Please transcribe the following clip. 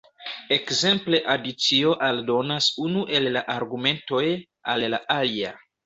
Ekzemple adicio aldonas unu el la argumentoj al la alia.